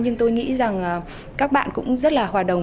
nhưng tôi nghĩ rằng các bạn cũng rất là hòa đồng